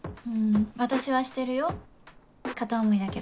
私はしてるよ片思いだけど。